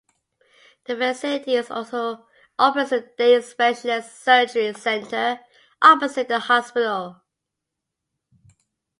The facility also operates a Day Specialist Surgery centre opposite the hospital.